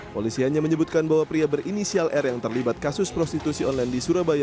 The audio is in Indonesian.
polisi hanya menyebutkan bahwa pria berinisial r yang terlibat kasus prostitusi online di surabaya